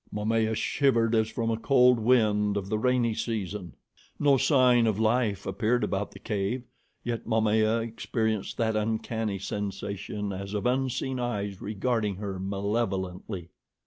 Momaya shivered as from a cold wind of the rainy season. No sign of life appeared about the cave, yet Momaya experienced that uncanny sensation as of unseen eyes regarding her malevolently.